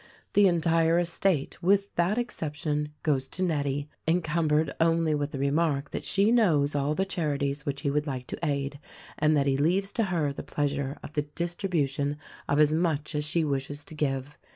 The entire estate with that exception goes to Nettie, encumbered only with the remark that she knows all the charities which he would like to aid and that he leaves to her the pleasure of the distribution of as much as she wishes to give.